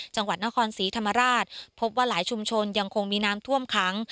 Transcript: จังหวัดนครศรีธรรมราชพบว่าหลายชุมชนยังคงมีน้ำท่วมขัง